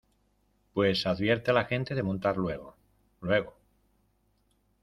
pues advierte a la gente de montar luego, luego.